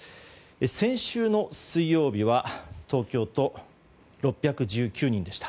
先週の水曜日は東京都、６１９人でした。